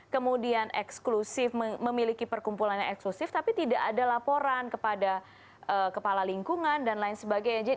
kemudian eksklusif memiliki perkumpulan yang eksklusif tapi tidak ada laporan kepada kepala lingkungan dan lain sebagainya